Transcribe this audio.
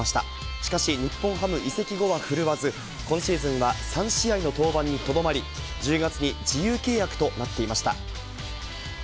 しかし、日本ハム移籍後は振るわず、今シーズンは３試合の登板にとどまり、１０月に自由契約となっていました。